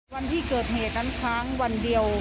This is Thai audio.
วันที่เกิดเหตุนั้นค้างวันเดียว